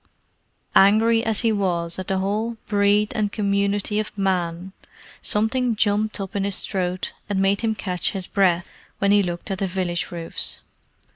Angry as he was at the whole breed and community of Man, something jumped up in his throat and made him catch his breath when he looked at the village roofs.